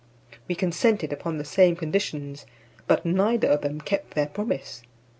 We consented upon the same conditions, but neither of them kept their promise.